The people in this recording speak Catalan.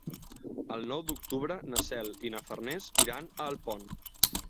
El nou d'octubre na Cel i na Farners iran a Alpont.